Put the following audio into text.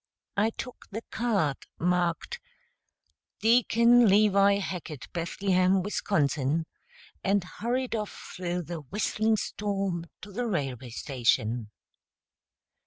I took the card, marked "Deacon Levi Hackett, Bethlehem, Wisconsin," and hurried off through the whistling storm to the railway station.